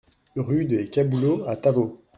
Rue des Caboulots à Tavaux